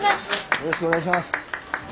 よろしくお願いします。